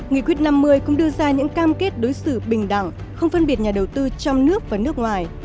nghị quyết năm mươi cũng đưa ra những cam kết đối xử bình đẳng không phân biệt nhà đầu tư trong nước và nước ngoài